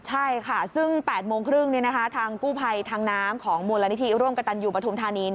ใช่ค่ะซึ่ง๘โมงครึ่งทางกู้ภัยทางน้ำของมูลนิธิร่วมกับตันยูปฐุมธานี